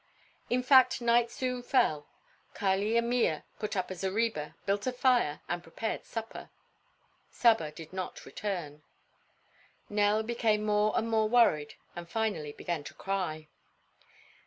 In fact night soon fell. Kali and Mea put up a zareba, built a fire, and prepared supper. Saba did not return. Nell became more and more worried and finally began to cry.